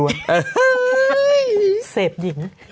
เสพหญิง